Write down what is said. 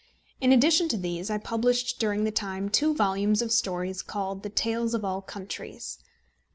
In addition to these I published during the time two volumes of stories called The Tales of All Countries.